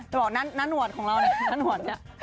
จะบอกน่าหนวดของเราน่าหนวดเนี่ย